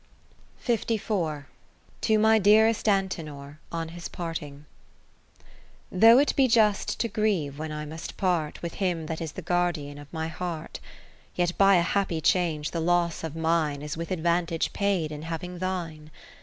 60 To my dearest Antenor, on his Parting Though it be just to grieve when I must part With him that is the Guardian of my Heart ; Yet by a happy change the loss of mine Is with advantage paid in having thine.